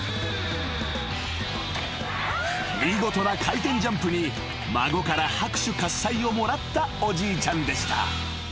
［見事な回転ジャンプに孫から拍手喝采をもらったおじいちゃんでした］